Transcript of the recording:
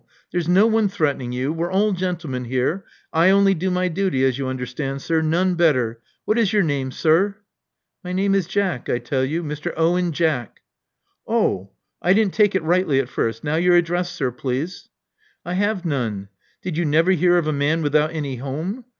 There's no one threatening you. We're all gentlemen here. I only do my duty, as you understand, sir — none better. What is your name, sir?" My name is Jack,*I tell you. Mr. Owen Jack." Oh! I didn't take it rightly at first. Now your address, sir, please." I have none. Did you never hear of a man with out any home?